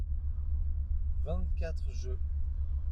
vingt quatre jeux.